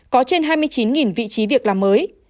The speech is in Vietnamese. có trên hai mươi chín vị trí việc làm mới